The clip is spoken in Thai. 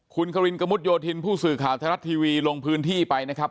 คุณครินกระมุดโยธินผู้สื่อข่าวไทยรัฐทีวีลงพื้นที่ไปนะครับ